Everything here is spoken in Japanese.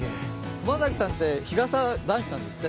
熊崎さんって日傘大事なんですって？